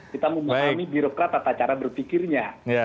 kita memahami birokrat tata cara berpikirnya